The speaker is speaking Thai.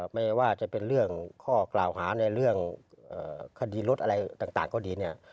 ไม่ว่าจะเป็นเรื่องข้อกล่าวหาในเรื่องคดีรถอะไรต่างก็ดีเนี่ย